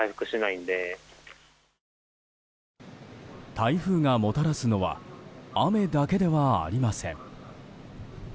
台風がもたらすのは雨だけではありません。